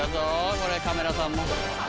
これカメラさんも。